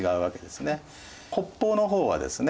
北方の方はですね